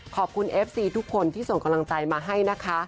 เอฟซีทุกคนที่ส่งกำลังใจมาให้นะคะ